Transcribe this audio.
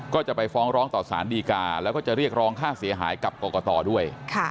ก็จะไปฟ้องร้องต่อสารดีกาแล้วก็จะเรียกร้องค่าเสียหายกับกรกตด้วย